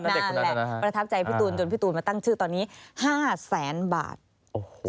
นั่นแหละประทับใจพี่ตูนจนพี่ตูนมาตั้งชื่อตอนนี้ห้าแสนบาทโอ้โห